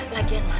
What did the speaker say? lagi pak arman